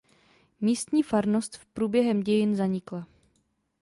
Místní farnost průběhem dějin zanikla.